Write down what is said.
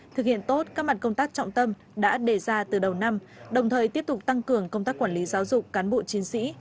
thực hiện tốt các mặt công tác trọng tâm đã đề ra từ đầu năm đồng thời tiếp tục tăng cường công tác quản lý giáo dục cán bộ chiến sĩ